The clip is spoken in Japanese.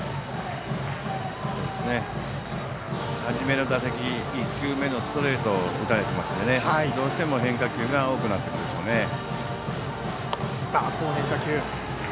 初めの打席１球目のストレートを打たれていますのでどうしても変化球が多くなってくるでしょうね。